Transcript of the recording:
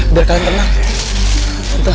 biar kalian tenang